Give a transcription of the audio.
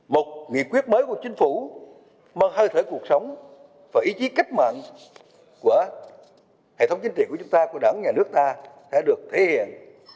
một nghị quyết mới của chính phủ mở hơi thở cuộc sống và ý chí cách mạng của hệ thống chính trị của chúng ta của đảng nhà nước ta sẽ được thể hiện